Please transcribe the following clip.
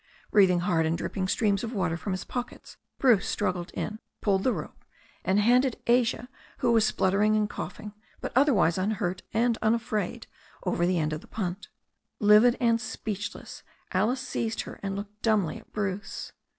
Breathing hard and dripping streams of water from his pockets, Bruce struggled in, pulled the rope, and handed Asia, who was spluttering and coughing, but otherwise un hurt and unafraid, over the end of the punt. Livid and speechless, Alice seized her and looked dumbly at Bruce.